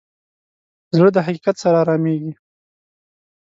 زړه د حقیقت سره ارامېږي.